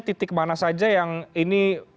titik mana saja yang ini